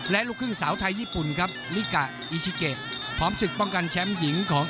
และลูกครึ่งสาวไทยญี่ปุ่นครับลิกะอิชิเกะพร้อมศึกป้องกันแชมป์หญิงของ